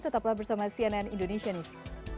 tetaplah bersama cnn indonesia news